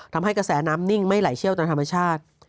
ทำให้กระแสน้ำนิ่งไม่ไหลเชี่ยวตามธรรมชาติ